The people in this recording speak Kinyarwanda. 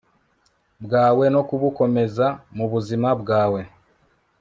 bwawe no kubukomeza mubuzima bwawe